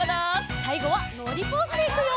さいごはのりポーズでいくよ！